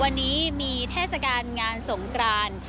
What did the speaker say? วันนี้มีเทศกาลงานสงกราน